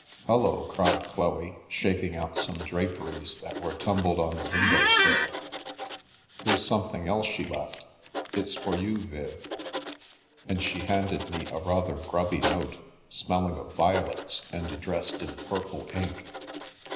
" Hullo !" cried Chloe, shaking out some draperies that were tumbled on the window sill, " here's something else she left. It's for you, Viv." And she handed me a rather grubby note, smelling of violets, and addressed in purple ink.